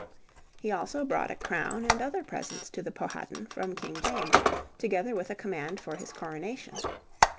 He also brought a crown and other presents to the Powhatan from King James, together with a command for his coronation.